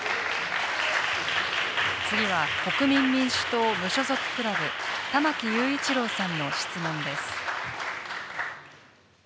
次は国民民主党・無所属クラブ・玉木雄一郎さんの質問です。